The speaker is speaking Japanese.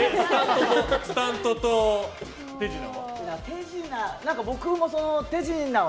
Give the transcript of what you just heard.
スタントと手品は？